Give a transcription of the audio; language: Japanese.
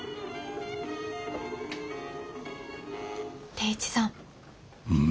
定一さん。